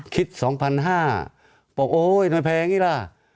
คิด๒๕๐๐บาทบอกโอ้โหทำไมแพงอย่างนี้ล่ะ